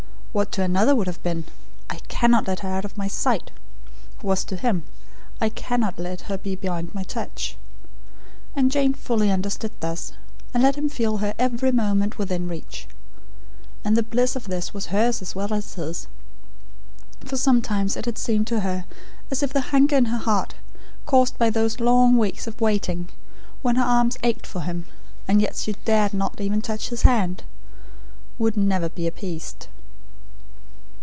What to another would have been: "I cannot let her out of my sight," was, to him, "I cannot let her be beyond my touch." And Jane fully understood this; and let him feel her every moment within reach. And the bliss of this was hers as well as his; for sometimes it had seemed to her as if the hunger in her heart, caused by those long weeks of waiting, when her arms ached for him, and yet she dared not even touch his hand, would never be appeased.